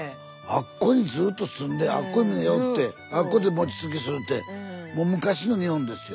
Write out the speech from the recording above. あっこにずっと住んであっこにおってあっこで餅つきするってもう昔の日本ですよ。